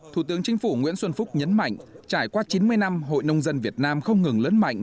thủ tướng chính phủ nguyễn xuân phúc nhấn mạnh trải qua chín mươi năm hội nông dân việt nam không ngừng lớn mạnh